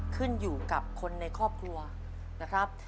ขึ้นอยู่กับคนในครอบครัวนะครับ